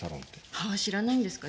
はあ知らないんですか。